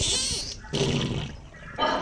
سړی به کیسه بشپړه کړې وي.